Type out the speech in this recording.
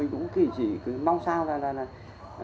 cũng nên tạo điều kiện để cho những bệnh nhân viện đấy